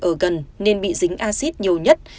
ở gần nên bị dính acid nhiều nhất